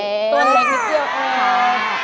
ต้นเล็กเกือบ